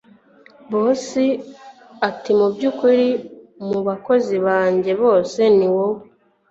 Boss atimubyukuri mubakozi bajye bose niwowe